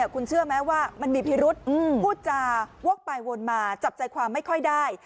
คุณเชื่อไหมว่ามันมีพิรุษพูดจาวกไปวนมาจับใจความไม่ค่อยได้